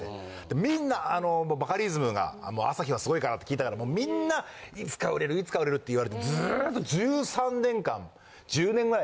でもみんなバカリズムが朝日はすごいからって聞いたからみんないつか売れるいつか売れるって言われてずっと１３年間１０年前。